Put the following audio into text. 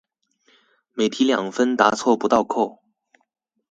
每題兩分答錯不倒扣